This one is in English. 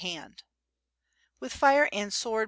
WITH FIRE AND SWORD.